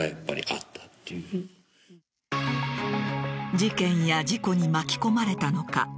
事件や事故に巻き込まれたのか。